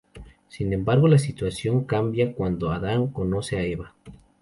Sin embargo, la situación cambia cuando Adán conoce a Eva.